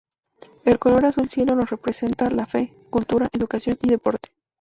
El color azul cielo, nos representa la fe, cultura, educación, y deporte.